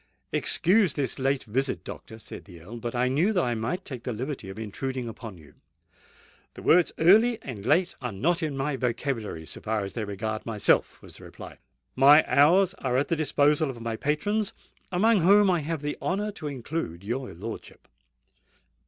"Excuse this late visit, doctor," said the Earl; "but I knew that I might take the liberty of intruding upon you." "The words early and late are not in my vocabulary, so far as they regard myself," was the reply. "My hours are at the disposal of my patrons, amongst whom I have the honour to include your lordship."